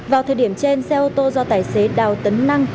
vào thời điểm trên xe ô tô do tài xế đào tấn năng